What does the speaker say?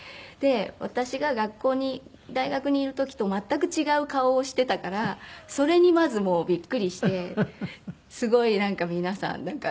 で私が学校に大学にいる時と全く違う顔をしてたからそれにまずもうびっくりしてすごい皆さん